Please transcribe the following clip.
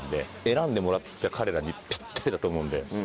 選んでもらった彼らにぴったりだと思うんで。